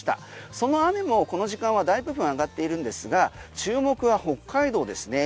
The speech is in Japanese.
その雨もこの時間はだいぶ上がっているんですが注目は北海道ですね。